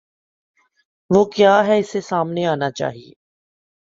وہ کیا ہے، اسے سامنے آنا چاہیے۔